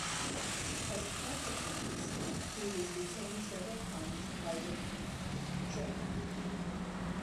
As a consequence, he was detained several times by the Cheka.